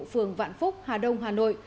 phường vạn phúc hà đông hà nội